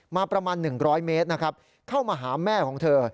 ประมาณ๑๐๐เมตรนะครับเข้ามาหาแม่ของเธอ